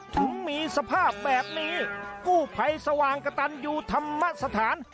ถึงมีสภาพแบบนี้กู้ภัยสว่างกระตันยูธรรมสถาน